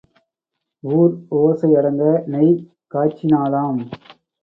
ஊர் ஓசை அடங்க நெய் காய்ச்சினாளாம்.